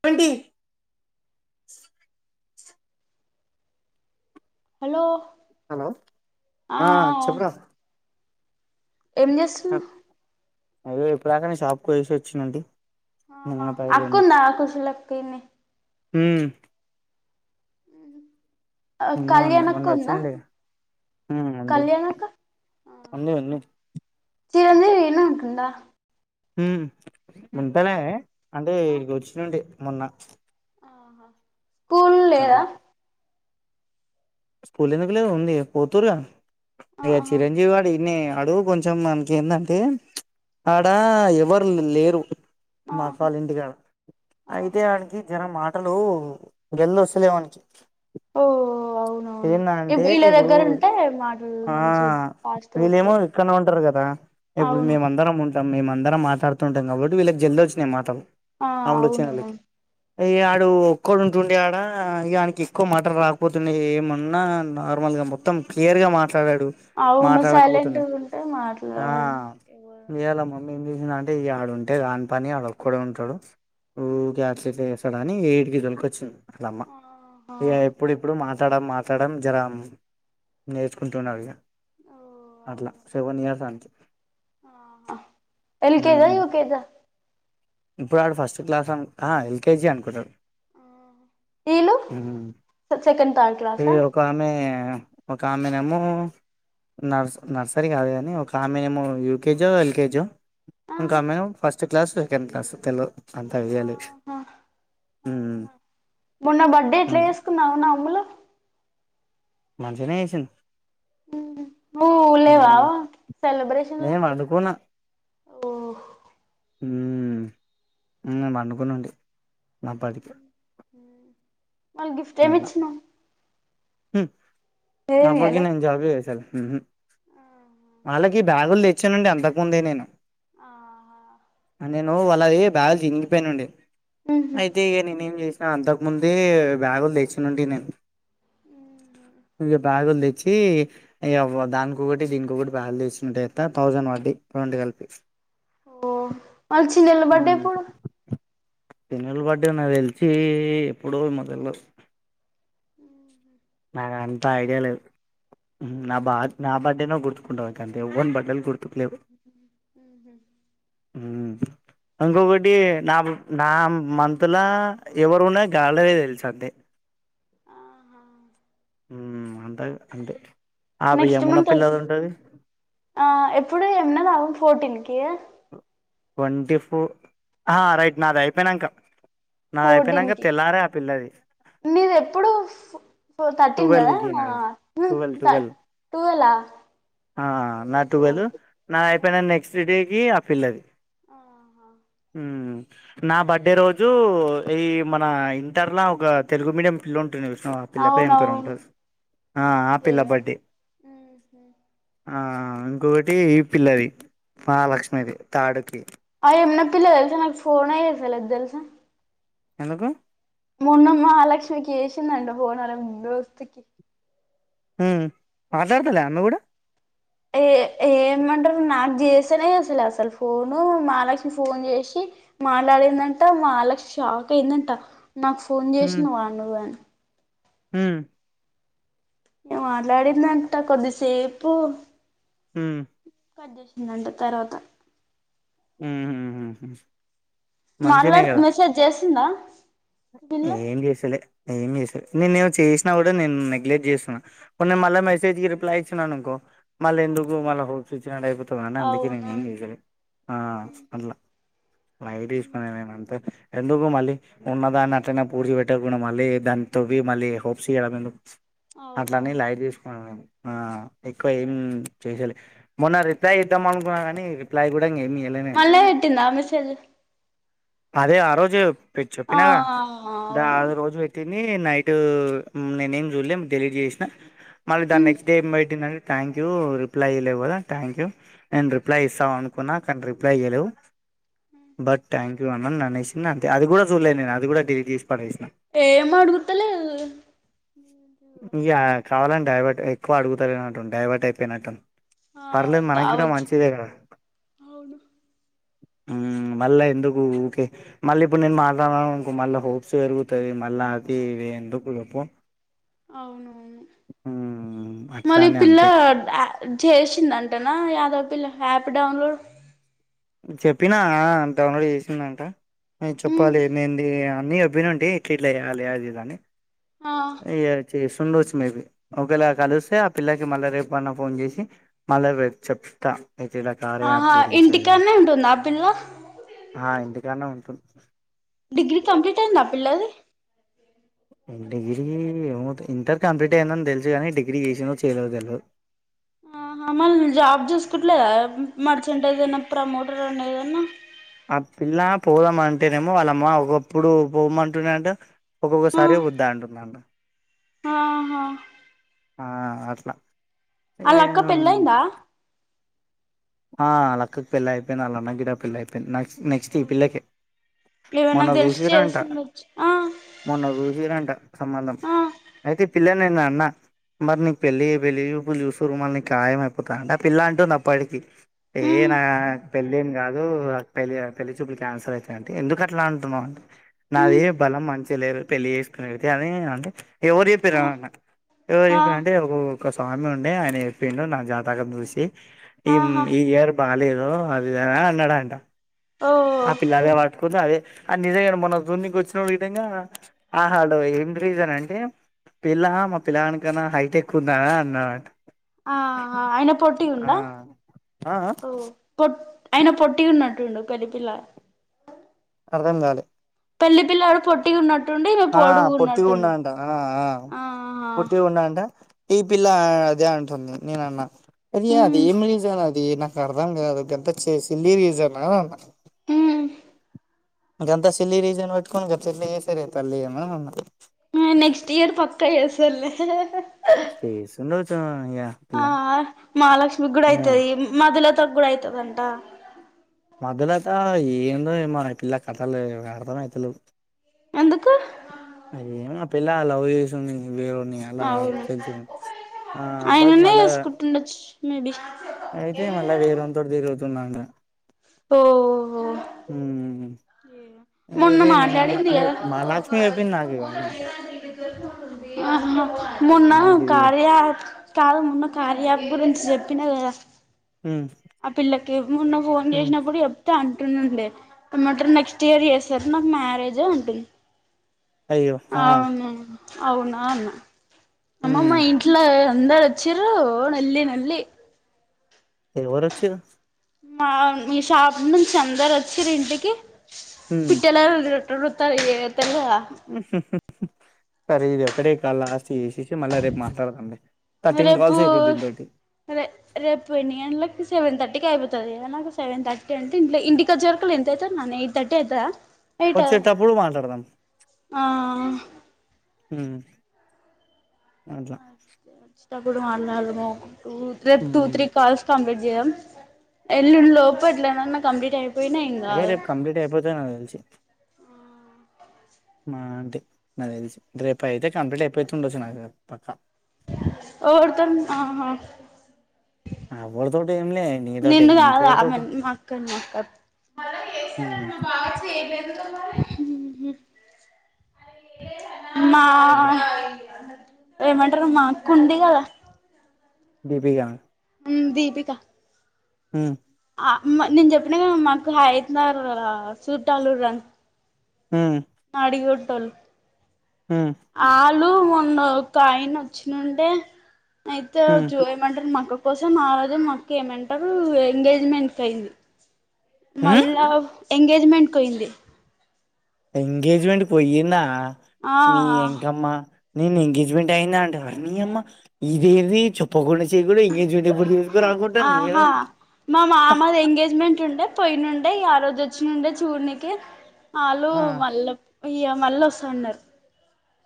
Twenty ఆలో hello ఆ ఆ చెప్పురా? ఏం చేస్తున్నవ్? అదె ఇప్పుడ్దాకనే షాప్ కు పోయేసి ఒచ్చినుంటి ఆహా అక్కుందా కుశలక్క ఇన్నే మ్ ఇన్నె ఉండె కళ్యాణ్ మొన్న అక్క ఉందా ఒచ్చినుండె గా మ్ ఉంది. కళ్యాణ్ అక్క ఉన్ని ఉన్ని [unintelligible] ఇన్నకుండా మ్ ముంతనే అంటే ఇడి కొచ్చినుంటి మొన్న స్కూల్ అట్ల లేదా స్కూల్ ఎందుకు లేదు ఉంది పోత్తూరుగా ఇగ ఆహా చిరంజీవి గాడు ఇన్నెగా ఆడు కొంచెం మనకి ఏందంటే ప్చ్ ఆడ ఎవరు ల్ లేరు మా అత్త ఆహా వాళ్ళింటి కాడ అయితే ఆహా ఆడికి జ్వరం మాట్ టలు గేల్ వొసలే వాన్ కీ ఓ అవునవును ఏందంటే వీళ్ళ ఇప్పుడు దగ్గర ఉంటే మాటలు ఆ మంచి ఫాస్ట్గా వీళ్ళేమో వస్తాయి ఇక్కనే ఉంటరు గదా ఇప్పుడు అవును మేమందరం ఉంటాం. మేమందరం మాట్డుతుంటాం కాబట్టి వీళ్ళకి జల్దోచ్చినాయి మాటలు. ఆ ఆములు వచ్చిన అవ్ను వాళ్ళకి ఈ ఆడు ఒక్కడుంటుండే ఆడా ఇగ ఆన్ కీ ఎక్కు మాటల్ రాకపోతునయి మొన్న నార్ మల్ గా మొత్తం క్లియర్ మాట్లు డతడు అవును మాట్లాడకపోతుండే సైలెంట్గా ఉంటే ఆ మాట్లాడడానికి ఎవరు ఇయలా మమ్ మేమ్ జేసింనంటే ఇగ ఆడుంటే ఆన్ పని ఆడోకడే ఉంటడు ఊకే అట్ టిట్ల ఎసడు తడాని ఈడిక్ దొల్ కొచ్చింది లమ్మ ఆహా ఇగ ఇపుడిపుడు మాట్ తడం మాట్లాడం జరాం నేర్చుకుంటునరు ఇగ ఓ అట్లా అవునవును సెవెనియర్స్ ఆన్ కి ఎలీ కేజా యూకేజా ఇప్పుడు ఆడు ఫస్ట్ క్లాస్ అన్ ఆ ఎల్ కేజే అనుకుటడ్ వీళ్ళు హ్మ్ సెకండ్ థర్డ్ ఈ క్లాసా ఓకామె ఓకామె నేమో నర్స్ నర్సరీ కాదు గానీ ఒక ఆమేమో యూకేజో ఎల్ కేజో ఇంకా మేవ్ ఫస్ట్ క్లాస్ సెకండ్ క్లాస్ తెల్ వద్ అంతా ఐడియా లెద్ ఔనా మొన్న బడ్ డే ఎట్ల అంతే ఏస్ కున్నావ్ ఔన్ అమ్ములు మంచిగ్ ఏసిన్ ఉహ్ నువ్ లేవా సెలబ్రేషన్ ల నేను పండుకున్నా బో ఉమ్ ఉమ్ పనుకునుండి మాప్పటికే మల్ గిఫ్ట్ ఏమిచ్చినవ్ హ్మ్ అపుడ్ కీ ఇయ్యాలే నేన్ జాబె చేసలే ఉహ్ వాళ్ళకి బ్యాగుల్ దేచ్చానుండే అంతకుముందే నేను ఆహా నేను వాళ్ళది బ్యాగ్ చినీగిపెయ్ నుండే ఉహు అయితే ఇగ నేను ఏం జేస్ నా అంతక్ ముందే బ్యాగుల్ తెచినుంటి నేన్ ఇగ బ్యాగుల్ దేచ్చి ఇగ దాన్ కొకటి దీన్ కొకటి బ్యాగుల్ దేచ్ నట్ ఎంత థౌసండ్ వాడ్డయ్ రొండు కల్ పి ఓ మళ్ చిన్నేల్ బర్డ్ ఎప్పుడు చినోల బర్డే నాకు తెల్చి ఎప్పుడోమొ మా దేల్ వాద్ హు నాకంత ఐడియా లేద్ నా బద్ నా బర్డేనో గుర్తుకుండద్ గంతే ఎవన్ బడే ల్ గుర్ త్ లేవ్ ఉమ్ ఇంకొకటి నా నా మంతుల ఎవరున్నది గాలదే తెల్ సంతే ఆహా ఉమ్ అంతా అంతే ఆ నెక్ స్ట్ యమున మంతోస్ పిల్లది ఉంటది ఆ ఎప్పుడు ఉనవ ఫో టిన్ కీ ట్వంటీ ఫు ఆ రైట్ నాదైపెయినంక నాదాయ్ అయిపెనక తెల్లారే ఆ పిల్లది నీద్ ఎప్పుడు ఉఫ్ ఫోర్ తటీన్ టువెల్ కదా కి ఆ నాది హు టువెల్ తత్ టువెల్ టూవేలా ఆ నా టువెల్ నాదయి పెయిన నెక్స్ డేకి ఆ పిల్లది ఆహా మ్మ్ నా బడ్ డే రోజు ఈ మన ఇంటర్ లా ఒక తెలుగు మీడియం పిల్లుంటుండే ఆ పిల్ల పేమ్ పేరేం అవునవును ఉంటది ఆ ఆ పిల్ల ఏమో బడ్ డే ఉహు. ఆ ఇంకొటి ఈ పిల్లది మలక్ష్మిది తాడు కీ ఆ యమున పిల్ల ఎల్ స నాక్ ఫోనే ఏసాలేదు దేల్ స ఎందుకు మొన్న మహాలక్ష్మికి ఎసిందండి ఫోన్ ఆల దోస్త్ కి ఉమ్ మాట్లాడతలే ఆమె కూడా ఏ ఏమంటరు నాకు చేసనే చేస్తలే అసలు ఫోను మహాలక్ష్మి ఫోన్ చేసి మాట్లాడిందంటా మహాలక్ష్మి షాక్ అయిందంట నాక్ ఫోన్ చేసినవా నువ్వే అని ఉమ్ మాట్లాడిందంటా కొద్దిసేపు ఉమ్ కట్ చేసిందంట తర్వాత ఉమ్మ్ మాట్లాడుతుందా మెసేజ్ చేస్తుందా ఏమ్ చేస్తలే ఏమ్ చే నేన్ చేసినా కూడా నేన్ నెగ్లెట్ చేస్తున్నా పోనీ మళ్ళా మెసేజ్ కి రిప్లై ఇచ్చిననుకో మల్లెందుకు మల్ల పోప్స్ ఇచ్చినట్టు అయిపోతాది అని అందుకే అవును నేనేం చేస్తలే లైట్ తీసుకున్న నేను ఆమనయితే ఎందుకు మళ్ళీ ఉన్నదాన్ని అట్లనే పూర్చి పెట్టకుండ మళ్ళీ దానితొవ్వి మళ్ళీ హోప్స్ ఇయ్యడమెందుకు అట్లనే అవునవును లైట్ తీసుకున్నానేను ఆ ఎక్కువ ఏమ్ చేస్తలే మొన్న రిప్లై ఇద్దాం అనుకున్నా కానీ రిప్లై కూ మళ్ళ వెట్టింద మెసేజ్ అదే ఆ రోజు ఆ చెప్పినక ఆ అవునవును రోజు పెట్టిది నైట్ నేనేమి చూడలే డిలీట్ చేసిన మళ్ళీ దాని నెక్స్ట్ డే ఏమ్ పెట్టిందంటే థ్యాంక్యూ రిప్లై ఇయ్యలేవ్ కదా థ్యాంక్యూ నేన్ రిప్లై ఇస్తావ్ అనుకున్న కున్నా కానీ రిప్లై ఇయ్యాలేవ్ బట్ థ్యాంక్యూ ఆనంద్ ననేేసింది అంతే అది కూడా చూలేదు నేను అది కూడా డిలీట్ పడేసిన ఏమడుగుతలేదు ఇగా కావాలని డైవర్ట్ ఎక్కువ అడుగుతలేనట్టుంది డైవర్ట్ అయిపోయినట్టుంది ఆ పర్లేదు మనగీట కావచ్చు మంచిదేకదా అవును ఉమ్ మల్లెందుకు ఊకె మల్లిప్పుడు నేను మాట్లాడిన అనుకో హోప్స్ పెరుగుతయి మళ్ళా ఫీ ఎందుకు చెప్పు అవునవును మ్మ్ మరి ఇ అట్లానే పిల్లా అంతే చేసిందంటనా యాదవ్ పిల్ల కి ఆప్ డౌన్లోడ్ చెప్పినా కదా డౌన్లోడ్ చేసిందంట చెప్పాలి నేను అన్నీ చెప్పినుంటి ఇట్లిట్ల చేయాలి అదిదని ఆహ్ చేసిండోచ్చు మేబీ ఒకవేళ కలిస్తే ఆ పిల్లకి మళ్ళా రేపన్న ఫోన్ చేసి మళ్ళా చెప్తా అయితే ఇలా కార్య యాప్ ఆహా గురించి అది ఇంటికాన్నే ఉంటుందా ఆ పిల్ల ఇంటి కానే ఉంటుంది డిగ్రీ కంప్లీట్ అయిందా ఆ పిల్లది డిగ్రీ ఏమో తేల్వ ఇంటర్ కంప్లీట్ అయిందని తెలుసు కాని డిగ్రీ చేసిందో చేయలేదో తెల్వదు ఆహా అంటే ఏదైనా ప్రమోటర్ అయినా ఏదన్నా ఆ పిల్ల పోదామంటేనేమో వాళ్ళ అమ్మ ఒకప్పుడు పోమంటున్నాంట ఆ ఒక్కొక్కసారి వద్దంటుంది అంట ఆహా ఆ అట్లా ఆలా అక్క ఏం పెళ్లయిందా ఆ అలక్కకి పెళ్లయిపోయింది అలన్నగీట పెళ్లయిపోయింది నెక్స్ట్ ఈ పిల్లకే ఈమెకి మొన్న నాక్ తెల్సి చూసిరంట చేస్తుండొచ్చు మొన్న చూసిరంట సంబంధం ఆ అయితే పిల్లనేనన్న మరి నీక్ పెళ్ళి పెళ్లి చూపులు చూస్తురు మరి నీక్ కాయమయిపోత అంట ఆ పిల్ల అంటుంది అప్పటికి ఏ ఉమ్ నాక్ పెళ్ళిం గాదు పెళ్లి పెళ్లి చూపులు క్యాన్సెల్ ఐతయంటె ఎందుకట్లా అంటావ్ నాది ఉమ్ బలం మంచిగా లేదు పెళ్ళి చేస్కునేది అంటే ఎవర ఏప్పిర్రు ఎవరు ఆ జేప్పిరాంటే ఆ ఒక ఓక సామి ఉండే ఆయన జేప్పిడు నా జాతాకం చూషి ఆహా ఇయర్ బాలేదు అదిదన్న అన్నాడంట ఓ ఆ పిల్లదే వాట్కుంది అదే ఆ నిజంగానే మొన్న సుడ్నైక్ ఒచ్చినావ్ విధంగా ఆ హలో ఏం రీసన్ అంటే పిల్లా మా పిలగాని కన్నా హైటెక్ ఉంది అని అన్నాడంట ఆహా అయిన పొట్టిగుండ ఆ అ ఐన పొట్టి ఉన్నట్టుండు పెళ్ళిపిల్లగాడు అర్థం గాలే పెళ్లి పిల్లాడు పొట్టి ఉన్నటు ఆ పొటి ఉన్నాంట ఆ ఆ ఆహా పొట్టి ఉన్నాంట ఈ పిల్ల అదే అంటుంది నేన్ అన్నా అదే అది ఉమ్ ఏం రీసన్ అది ది నాక్ అర్థం గాదు గంత చేసి సిల్లీ రీసన్ అన్న మ్మ్ అంటే అంత సిల్లీ రీసన్ వేట్టుకోని గట్లెట్ల ఎస్తారే తల్లి అనాన్న పెయి అస్సల్ లే చేసుండొచ్చు ఇగ అ ఆ మాలక్ష్మి గూడా పిల్ల అయితది మధుల లతాగ్ గుడా అయితదంటా మధ్యలత ఏందో ఏమోరా ఈ పిల్ల కథలు అర్థమయితలేవు ఎందుకు అయేమో పిల్లా లవ్ యేషుంది వేరొన్ని అలా అవును తెల్సింది ఆ బట్ ఆయననే మళ్ళా చేసుకుంటుండొచ్చు మేబి అయితే మళ్ళా వేరొంతోనీ తీరు తుందంట ఓహో మొన్న ఐతే నేన్ అన్న మాట్లాడింది నే కదా మలక్ష్మి ఎప్పింది నాగివాన్ని ఆహా మొన్న నాకు ఇది కార్య అప్ కాదు మొన్న కార్య అప్ గురించి జేప్పినా గదా మ్మ్ ఆ పిల్లకి మొన్న ఫోన్ మ్మ్ జేసినపుడు ఎప్తే ఆన్ టునుండే ఏమంటారు నెక్స్ట్ ఇయర్ ఏస్తారు నాకు మ్యారేజే అంటుంది అయ్యో ఆ అవును అవునా అన్నా అమ్మ మ్మ్ మా ఇట్లో అందరొచ్చిరు ఓ నోల్లి నోళ్లి ఎవరు వోచిరు మా మీ షాప్ నుంచి అందరు ఒచ్చిరీంటికి మ్మ్ పిట్టెలొల్లి నాట్ ఓరుతాది ఏ తేల్వధ సరే ఇది ఒకటే కాల్ లాస్ట్ చేషేశి మళ్ళీ రేపు మాట్లాడదంలే రేపు రే రేపు ఎన్నిగంట్లకి సెవెన్ థర్టీ థటీకి అయిపోతదిగా నాకు సెవెన్ థర్టీ అంటే ఇంట్ ఇంటికోచేరికల ఎంతైతది నానా ఎయిట్ థర్టీ అయితాదా వచ్చేటప్పుడు మాట్లాడదాం ఆ మ్మ్ అట్లా వచ్చినపుడు మాట్లాడాదాము రేపు ట్వ మ్మ్ త్రి కాల్స్ కంప్లీ ఏం ఎల్లుండ్ లోపు ఎట్లానన్నా కంప్లీట్ అయి ఏ రేపు కంప్లీట్ అయిపోతై నా దెల్షి మా అంటే నా దెల్సి రెపయితే కంప్లీట్ అయిపోతుండొచ్చు నాక్ తెల పక్క ఓరుతోన్ ఆహా ఆ ఎవ్వర్తోన్ నిన్ను గాదు ఆమెని మా అక్కని ఆహ్. మళ్ళ ఉమ్ యేస్తామని మా బావా చేయలేదుగా మరి. మ్మ్ మ్మ్ మా. మువా. ఏమంటరు మా ఆక్క ఉంది కదా దీపిక ఉమ్ దీపికా మ్మ్ ఆహ్ నేను చెప్పిన కద మా అక్క హయత్ నగర్ సుట్టాలు ఉండ్రాని. ఉమ్. [unintelligible] పోతోల్ ఉమ్. వాలు మొన్న ఒక ఆయన వచ్చినుండే అయితే ఉమ్ జో ఏమంటరు మా అక్కకు. అందుకోసం ఆ రోజు మా‌ అక్క ఏమంటారు ఎంగేజ్మెంట్ అయింది. ఉమ్ మళ్ళా ఎంగేజ్మెంట్కి పోయింది. ఎంగేజ్మెంట్ కి పోయిందా ఆ నీ ఎంకమ్మా. నేను ఎంగేజ్మెంట్ అయింద అంటే అనీ అమ్మ ఇదేది చెప్పకుండ చే. [unintelligible] ఎంగేజ్మెంట్ తీసుకురాకుండా నేను. ఆహా మా మామాది ఎంగేజ్మెంట్ ఉండే పొయినుండే ఇగ ఆ రోజు. వచ్చి నుండే చూడ్నికి ఆళ్ళు ఆ మళ్ళా ఇగ మళ్ళ వస్తన్నారు‌.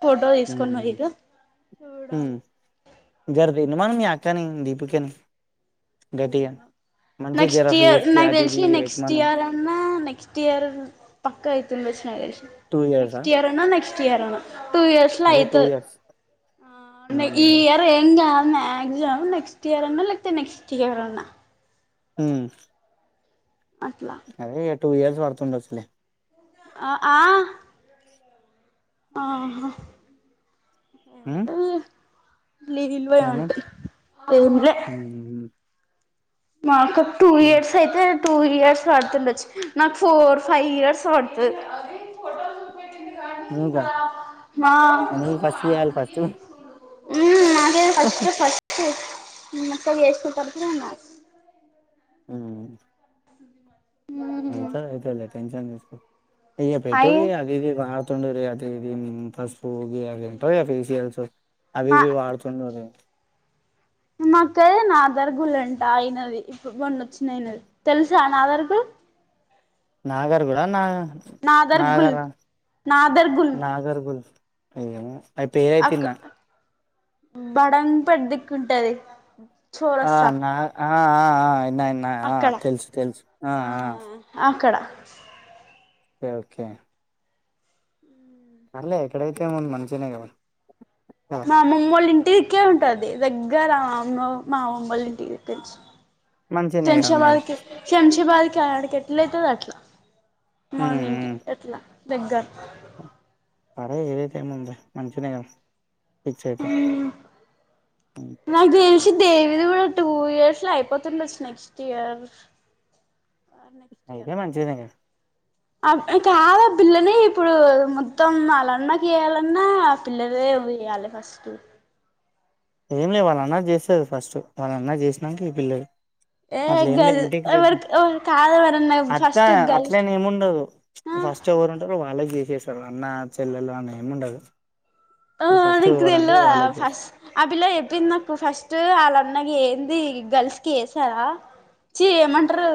ఫోటో ఉమ్ తీసుకుని పోయిండ్రు చూడాలి. ఉండమను మీ అక్కని దీపికని. గట్టిగా. మంచిగా జర నెక్స్ట్ ఇయర్ ఫేస్ కి నాకు అది తెలిసి ఇది నెక్స్ట్ పెట్టమను ఇయర్ అన్నా నెక్స్ట్ ఇయర్ పక్క అయితుండొచ్చు. టూ ఇయర్సా నెక్స్ట్ ఇయర్ అన్న నెక్స్ట్. టూ ఇయర్స్ లో అదే టూ అయితది ఇయర్స్ ఆహ్ ఈ మ్మ్ ఇయర్ ఏం కాదు. మాక్సిమం నెక్స్ట్ ఇయర్ అన్నా లేకపొతే నెక్స్ట్ ఇయర్ అన్నా. ఉమ్. అట్లా. Two years పడుతుండొచ్చులే. అ ఆహ్. ఆహ్. ఉమ్. [unintelligible] అవునులే. మ్మ్ మా అక్కకు టూ ఇయర్స్ అయితే. టూ ఇయర్స్ పడుతుండొచ్చు నాకు ఫోర్ ఫైవ్ ఇయర్స్ పడుతది. నీకా నాకు. నీకు ఫస్ట్ ఇయ్యాలి ఫస్ట్ ఉమ్ నాకె ఫస్ట్ ఫస్ట్ మా అక్క చేసుకున్న తరువాతనే నాకు. ఉమ్. ఆయితది అయితది లె టెన్షన్ తీసుకోకు ఇక అయి పెట్టండి అది ఇది. తుండ అది ఇది పసుపు గివి అవి ఏంటో ఇగ ఫేసియల్స్ అవి ఇవి వాడుతుండాలి. నాకు నాదార్గులుంట అయనది మొన్న వచ్చిన అయినది తెలుసా నాదార్గులు. నాగర్గుల ఆ నాగ్. నా దర్గుల్ నాగార నా దర్గుల్ నాగర్గుల్. ఏమో ఆ పేరైతే విన్న. బడంగ్పేట్ దిక్కుంటది. చోరస్తా ఆహ్ నా ఆహ్ ఆహ్ విన్నవిన్న ఆహ్ ఆహ్ అక్కడ తెలుసు తెలుసు ఆహ్ ఆ ఆహ్. అక్కడ ఓకే. పర్లే ఎక్కడైతే ఏముంది మంచిగనే కద. మా ముంగోళ టికే ఉంటది దగ్గర అమ్మ మా అమ్మమ వాళ్ళ ఇంటికి మంచినే కదా మరి శంషబాద్ కె శంషబాద్ ఆడికి ఎట్ల ఐతదో అట్లా మన ఇంటికి ఎట్లా దగ్గర అరే ఏదైతే ఏముంది మంచినేగ. ఇచ్చేతే. నాకు తెలిసి దెవీది కూడా. టూ ఇయర్స్ లో అయిపోతుండోచ్చు నెక్స్ట్ ఇయర్. అయితే మంచిదేగా అబ్బా కాద ఆ పిల్లని ఇప్పుడు మొత్తం అల్ల అన్నకీ చేయాలన ఆ పిల్లలేదే ఇయ్యాలే ఫస్టు ఏమ్ లె వాళ్ళ అన్న జెస్తది ఫస్ట్ వాళ్ళ అన్న చేసినంక ఈ పిల్లది ఏ అట్ల ఏంలే గర్ల్ ఇంటికి పెద్ ఎవరికి కాదు ఎవరన్నా అత్త ఫస్ట్ గర్ల్ అట్లేనే ఏముండదు ఫస్ట్ ఎవరు ఉంటారో వాళ్లే చేసేసారు అన్న చెల్లెలు అన్న ఏం ఉండదు ఆ ఫస్ట్ నీక్ ఎవరంటే తెల్వదా వాళ్ళకి చేస్తారు ఫస్ట్ ఆ పిల్ల చేప్ చెప్పింది నాకు ఫస్ట్ వాళ్ళన్నకి ఏంది గర్ల్స్ కి ఏసారా చి ఏమంటరు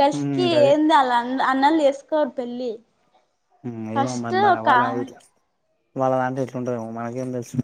గర్ల్స్ ఉమ్ కి గదే ఏంది అలా అన్న అన్నలు చేసుకోరు పెళ్ళి నేన్ ఫస్ట్ ఏమన్నన్ మరి అ ఒక వాళ్ళ ఆమె ఇదేట్ల వాళ్ళ దంట్ల ఎట్లుంటది మనకేం తెలుసు